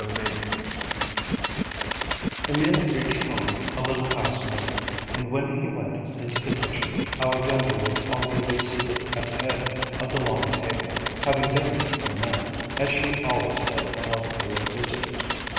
II Emil reached home a little past noon, and when he went into the kitchen Alexandra was already seated at the head of the long table, having dinner with her men, as she always did unless there were visitors.